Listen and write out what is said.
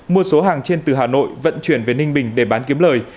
mua số hàng trên từ hà nội vận chuyển về ninh bình để bán kiếm lời